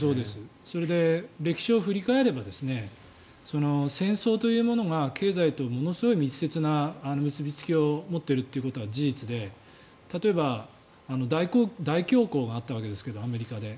それで、歴史を振り返れば戦争というものが経済とものすごい密接な結びつきを持っているということが事実で例えば、大恐慌があったわけですけどアメリカで。